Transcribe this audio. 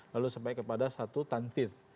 lalu sampai kepada satu tansit